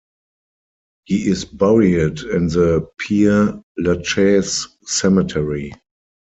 He is buried in the Pere Lachaise cemetery.